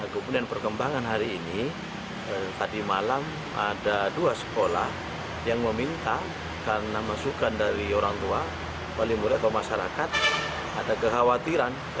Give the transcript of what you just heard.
kemudian perkembangan hari ini tadi malam ada dua sekolah yang meminta karena masukan dari orang tua wali murid atau masyarakat ada kekhawatiran